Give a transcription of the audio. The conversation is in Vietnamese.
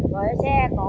rồi xe cổ